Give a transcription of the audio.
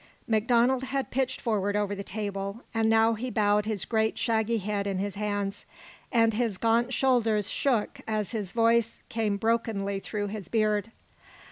MacDonald had pitched forward over the table, and now he bowed his great shaggy head in his hands, and his gaunt shoulders shook as his voice came brokenly through his beard.